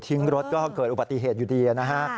ทิ้งรถก็เกิดอุปติเหตุอยู่ดี